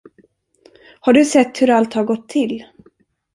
Har du sett hur allt har gått till?